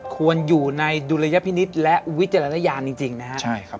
ควรอยู่ในดุลยพินิษฐ์และวิจารณญาณจริงนะครับ